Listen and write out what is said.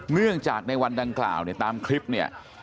เนื่องจากในวันดังกล่าวเนี่ยตามคลิปเนี่ย